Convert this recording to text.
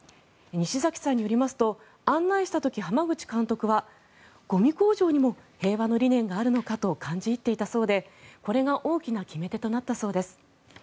西崎さんによりますと案内した時、濱口監督はゴミ工場にも平和の理念があるのかと感じ入っていたそうでこれが大きな決め手となったそうです。